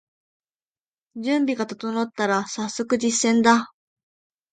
準備が整ったらさっそく実践だ